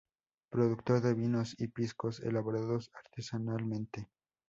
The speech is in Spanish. Productor de vinos y piscos elaborados artesanalmente.